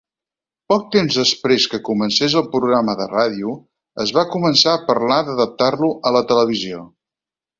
Poc temps després que comencés el programa de ràdio, es va començar a parlar d'adaptar-lo a la televisió.